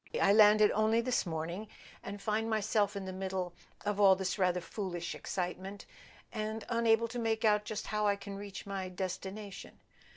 I landed only this morning, and find myself in the middle of all this rather foolish excitement, and unable to make out just how I can reach my destination.